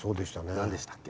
何でしたっけ？